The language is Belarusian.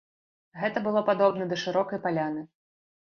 Гэта было падобна да шырокай паляны.